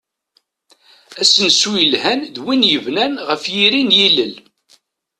Asensu yelhan d win yebnan ɣef yiri n yilel.